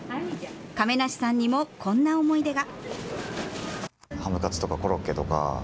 亀梨さんにも、こんな思い出が。